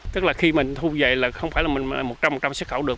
tức là khi mình thu về là không phải là mình một trăm linh xuất khẩu được